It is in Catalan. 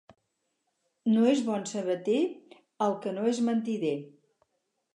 No és bon sabater el que no és mentider.